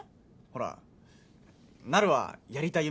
ほらなるはやりたい